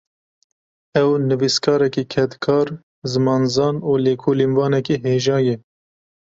Ew, nivîskarekî kedkar, zimanzan û lêkolînvanekî hêja ye